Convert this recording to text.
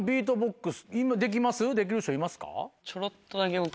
できる人いますか？